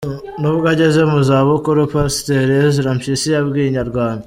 N’ubwo ageze mu za bukuru, Pasiteri Ezra Mpyisi yabwiye Inyarwanda.